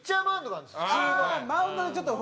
マウンドでちょっと。